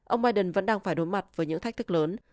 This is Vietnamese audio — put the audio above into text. ông biden vẫn đang phải đối mặt với những thách thức lớn